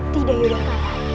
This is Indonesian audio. tidak yudha karan